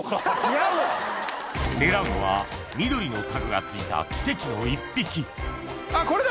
狙うのは緑のタグが付いた奇跡の１匹これだ！